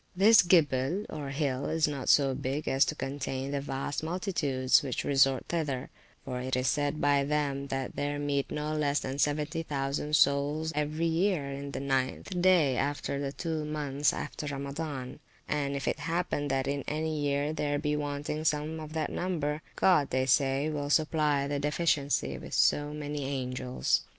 This Gibbel or hill is not so big as to contain the vast multitudes which resort thither; for it is said by them, that there meet no less than 70,000 souls every year, in the ninth day after the two months after Ramadan; and if it happen that in any year there be wanting some of that number, God, they say, will supply the deficiency by so many angels.